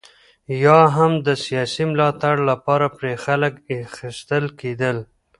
یا هم د سیاسي ملاتړ لپاره پرې خلک اخیستل کېدل.